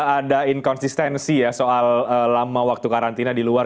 ada inkonsistensi ya soal lama waktu karantina di luar